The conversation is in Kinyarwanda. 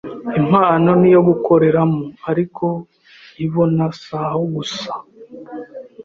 impa niyo gukoreramo, ariko ibona si aho gusa.